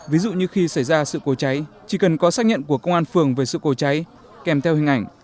ví dụ như khi xảy ra sự cố cháy chỉ cần có xác nhận của công an phường về sự cố cháy kèm theo hình ảnh